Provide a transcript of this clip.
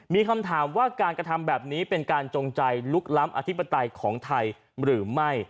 มีคำถามว่าการกระทำแบบนี้เป็นการจงใจลุกล้ำอธิปไตยของไทยหรือไม่